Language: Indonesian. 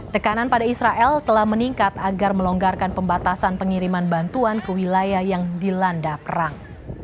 tekanan pada israel telah meningkat agar melonggarkan pembatasan pengiriman bantuan ke wilayah yang dilanda perang